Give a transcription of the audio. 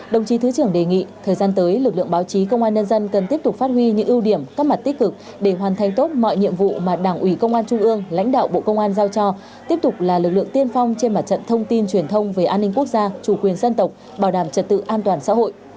đồng chí thứ trưởng đề nghị thời gian tới lực lượng báo chí công an nhân dân cần tiếp tục phát huy những ưu điểm các mặt tích cực để hoàn thành tốt mọi nhiệm vụ mà đảng ủy công an trung ương lãnh đạo bộ công an giao cho tiếp tục là lực lượng tiên phong trên mặt trận thông tin truyền thông về an ninh quốc gia chủ quyền dân tộc bảo đảm trật tự an toàn xã hội